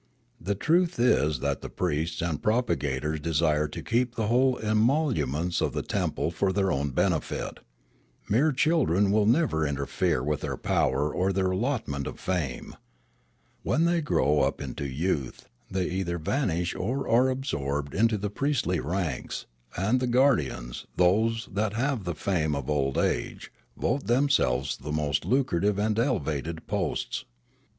The truth is that the priests and propagators de sire to keep the whole emoluments of the temple for their own benefit. Mere children will never interfere with their power or their allotment of fame. When they grow up into youth, they either vanish or are absorbed into the priestly ranks, and the guardians, those that have the fame of old age, vote themselves the most lucrative and elevated posts.